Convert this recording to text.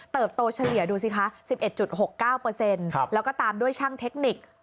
โตเฉลี่ยดูสิคะ๑๑๖๙แล้วก็ตามด้วยช่างเทคนิค